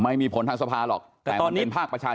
ไม่มีผลทางสภาหรอกแต่มันเป็นภาคประชาชน